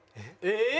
えっ！